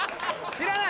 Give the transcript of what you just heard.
知らない？